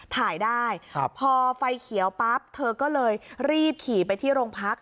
ถ่ายได้พอไฟเขียวปั๊บเธอก็เลยรีบขี่ไปที่โรงพัก